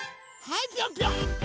はい！